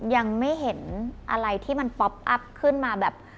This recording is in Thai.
ยังไม่เห็นอะไรที่มันป๊อปอัพขึ้นมาแบบ